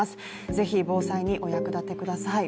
ぜひ防災にお役立てください。